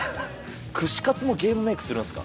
串カツもゲームメイクするんですか。